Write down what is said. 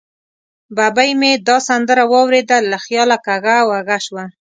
ببۍ مې دا سندره واورېده، له خیاله کږه وږه شوه.